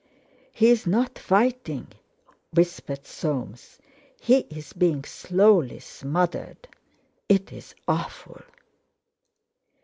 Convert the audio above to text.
"He's not fighting," whispered Soames, "he's being slowly smothered. It's awful."